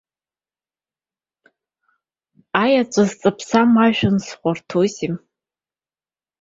Аеҵәа зҵаԥсам ажәҩан зхәарҭоузеи.